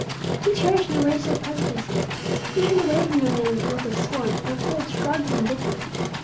He cherished no racial prejudices. He turned away from no man with a look of scorn, or a cold shrug of indifference.